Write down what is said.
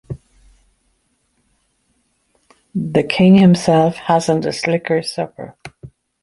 The king himself hasn't a slicker supper.